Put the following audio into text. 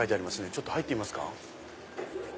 ちょっと入ってみますか。